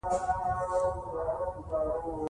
ازادي راډیو د ورزش پر وړاندې د حل لارې وړاندې کړي.